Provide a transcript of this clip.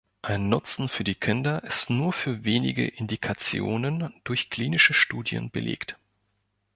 Ein Nutzen für die Kinder ist nur für wenige Indikationen durch klinische Studien belegt.